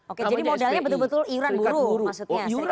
oke jadi modalnya betul betul iuran buruh maksudnya